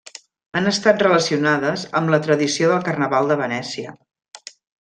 Han estat relacionades amb la tradició del Carnaval de Venècia.